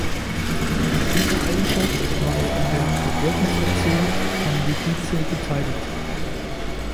In dieser Eigenschaft war er an der „Vergeltungsaktion“ von Lidice beteiligt.